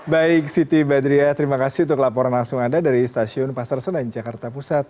baik siti badriah terima kasih untuk laporan langsung anda dari stasiun pasar senen jakarta pusat